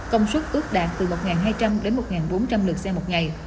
công suất ước đạt từ một hai trăm linh đến một bốn trăm linh lượt xe một ngày